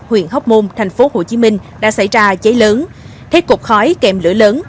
huyện hóc môn thành phố hồ chí minh đã xảy ra cháy lớn thấy cục khói kèm lửa lớn